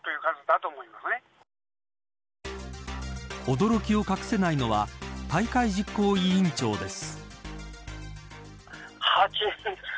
驚きを隠せないのは大会実行委員長です。